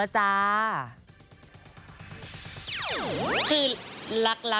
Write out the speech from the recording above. จ๊ะรู้แล้วจ๊ะ